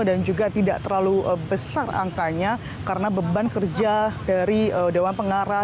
dan juga tidak terlalu besar angkanya karena beban kerja dari dewan pengarah